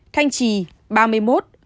thanh trì ba mươi một